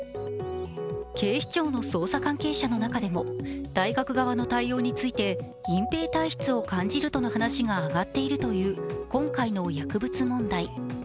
警視庁の捜査関係者の中でも大学側の対応について隠蔽体質を感じるとの話が上がっているという今回の薬物問題。